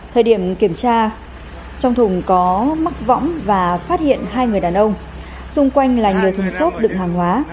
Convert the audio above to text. thời điểm kiểm tra trong thùng có mắc võng và phát hiện hai người đàn ông xung quanh là nhờ thùng xốp đựng hàng hóa